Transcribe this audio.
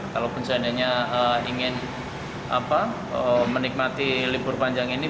kalau pencannya ingin menikmati libur panjang ini